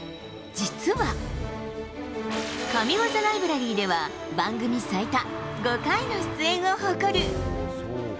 実は、神技ライブラリーでは番組最多、５回の出演を誇る。